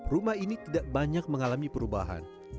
rumah ini tidak banyak mengalami perubahan